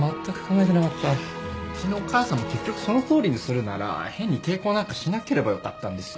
うちのお母さんも結局そのとおりにするなら変に抵抗なんかしなければよかったんですよ。